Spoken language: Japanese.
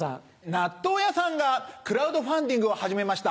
納豆屋さんがクラウドファンディングを始めました。